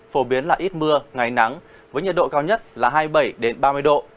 phổ biến là ít mưa ngày nắng với nhiệt độ cao nhất là hai mươi bảy ba mươi độ